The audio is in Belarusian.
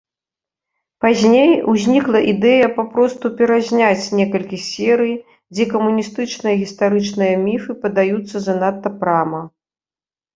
Пазней узнікла ідэя папросту перазняць некалькі серый, дзе камуністычныя гістарычныя міфы падаюцца занадта прама.